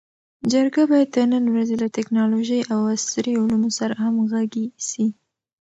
جرګه باید د نن ورځې له ټکنالوژۍ او عصري علومو سره همږغي سي.